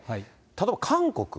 例えば韓国。